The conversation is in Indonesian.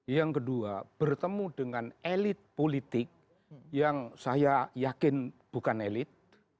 yang kedua bertemu dengan elit politik yang saya yakin bukan elit